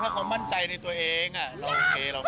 ถ้าเขามั่นใจในตัวเองเราโอเคเราโอเค